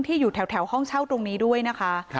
อยู่แถวห้องเช่าตรงนี้ด้วยนะคะ